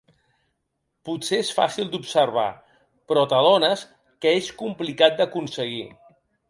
Potser és fàcil d’observar, però t’adones que és complicat d’aconseguir.